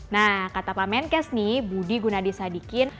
nah kata pak menkes nih budi gunadisadikin